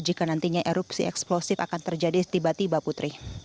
jika nantinya erupsi eksplosif akan terjadi tiba tiba putri